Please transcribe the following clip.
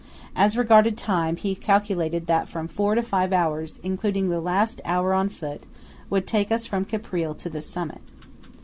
As regarded time, he calculated that from four to five hours, including the last hour on foot, would take us from Caprile to the summit.